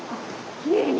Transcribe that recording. きれいに。